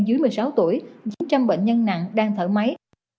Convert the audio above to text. dưới một mươi sáu tuổi chín trăm linh bệnh nhân nặng đang thở máy